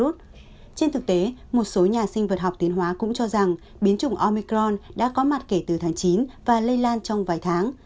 trên thực tế một số nhà sinh vật học tiến hóa cũng cho rằng biến chủng omicron đã có mặt kể từ tháng chín và lây lan trong vài tháng